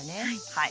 はい。